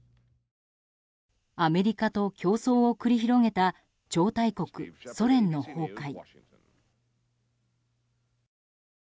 アメリカと競争を繰り広げた超大国ソ連の崩壊。